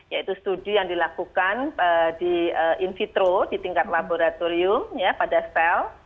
yaitu studi yang dilakukan di in vitro di tingkat laboratorium pada sel